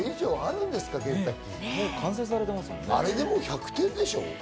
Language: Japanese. あれでもう１００点でしょう。